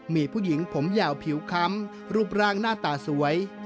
มีผู้หญิงผมยาวผิวค้ำรูปร่างหน้าตาสวย